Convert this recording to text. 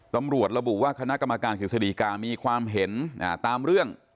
ตำรวจระบุว่าคณะกรรมการกฤษฎีกามีความเห็นตามเรื่อง